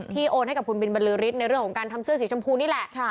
โอนให้กับคุณบินบรรลือฤทธิ์ในเรื่องของการทำเสื้อสีชมพูนี่แหละ